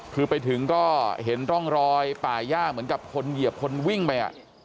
คือไปถึงก็เห็นร่องรอยป่าย่าเหมือนกับคนเหยียบคนวิ่งไป